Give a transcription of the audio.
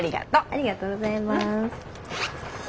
ありがとうございます。